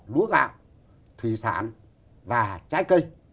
lúa gạo thủy sản và trái cây